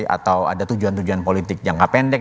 atau ada tujuan tujuan politik jangka pendek